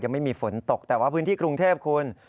ไม่มีฝนตกแต่ว่าพื้นที่กรุงเทพคุณ